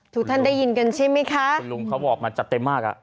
ทุกท่านได้ยินกันใช่ไหมคะคุณลุงเขาบอกมาจัดเต็มมากอ่ะ